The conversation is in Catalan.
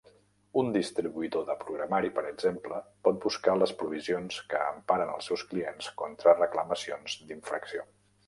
Un distribuïdor de programari, per exemple, pot buscar les provisions que emparen els seus clients contra reclamacions d'infracció.